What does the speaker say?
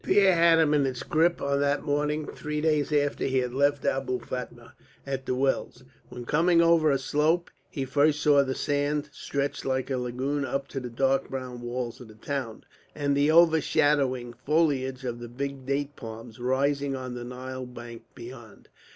Fear had him in its grip on that morning three days after he had left Abou Fatma at the wells, when coming over a slope he first saw the sand stretched like a lagoon up to the dark brown walls of the town, and the overshadowing foliage of the big date palms rising on the Nile bank beyond.